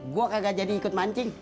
gue kagak jadi ikut mancing